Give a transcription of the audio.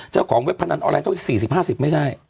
เว็บพนันออนไลต้อง๔๐๕๐ไม่ใช่